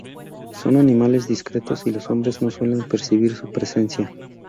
Son animales discretos, y los hombres no suelen percibir su presencia.